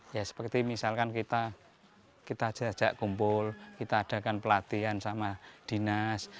ya seperti misalkan kita jajak kumpul kita adakan pelatihan sama dinas